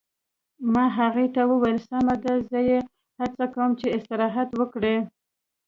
ما هغې ته وویل: سمه ده، زه یې هڅه کوم چې استراحت وکړي.